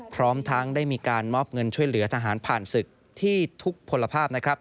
พร้อมทั้งได้มีการมอบเงินช่วยเหลือทหารผ่านศึกที่ทุกผลภาพนะครับ